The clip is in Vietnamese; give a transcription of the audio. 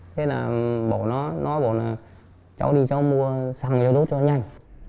thế là bảo nó nó bảo là cháu đi cháu mua xăng cho đốt cho nhanh